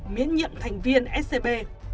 miễn nhiệm thành viên scb